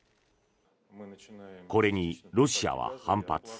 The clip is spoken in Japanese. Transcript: これにロシアは反発。